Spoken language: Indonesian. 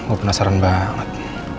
gue penasaran banget